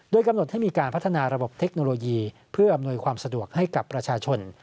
กำหนดให้มีการพัฒนาระบบเทคโนโลยีเพื่ออำนวยความสะดวกให้กับประชาชน